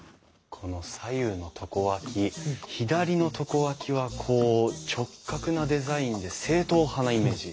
この左右の床脇左の床脇は直角なデザインで正統派なイメージ。